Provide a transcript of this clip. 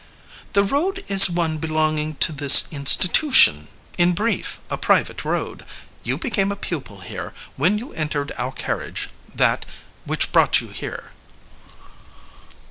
"The road is one belonging to this institution in brief, a private road. You became a pupil here when you entered our carriage, that, which brought you here."